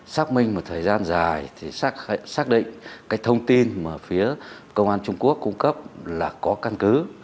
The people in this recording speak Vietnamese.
xác minh một thời gian dài thì xác định cái thông tin mà phía công an trung quốc cung cấp là có căn cứ